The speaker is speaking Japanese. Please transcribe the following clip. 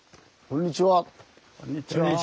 こんにちは。